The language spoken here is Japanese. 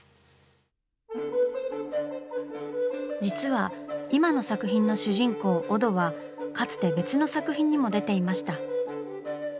実は今の作品の主人公オドはかつて別の作品にも出ていました。